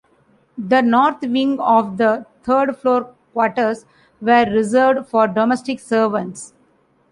The north wing of the third-floor quarters were reserved for domestic servants.